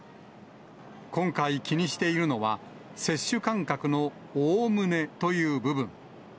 今回気にしているのは、接種間隔のおおむねという部分。